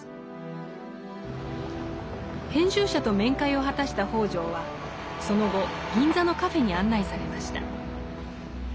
編集者と面会を果たした北條はその後銀座のカフェに案内されました。